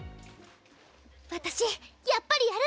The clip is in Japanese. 私、やっぱりやる！